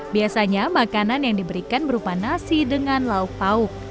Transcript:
biasanya makanan yang diberikan berupa nasi dengan lauk pauk